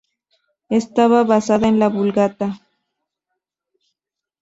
Estaba basada en la Vulgata.